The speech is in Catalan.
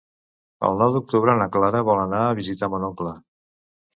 El nou d'octubre na Clara vol anar a visitar mon oncle.